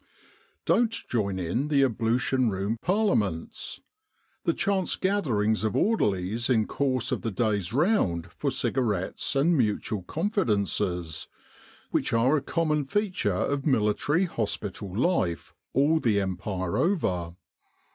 "Don't join in the * Ablution Room Parliaments' the chance gatherings of orderlies in course of the day's round for cigarettes and mutual confidences which are a common feature of military hospital life all the Empire over.